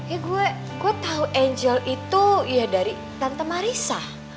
eh gue gue tau angel itu ya dari tante marissa